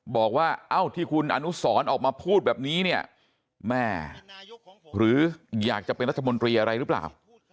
บอกว่าเอ้าที่คุณอนุสรออกมาพูดแบบนี้เนี่ยแม่หรืออยากจะเป็นรัฐมนตรีอะไรหรือเปล่า